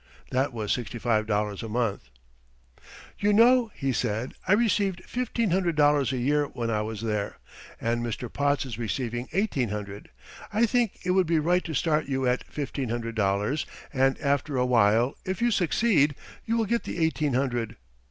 That was sixty five dollars a month. "You know," he said, "I received fifteen hundred dollars a year when I was there; and Mr. Potts is receiving eighteen hundred. I think it would be right to start you at fifteen hundred dollars, and after a while if you succeed you will get the eighteen hundred.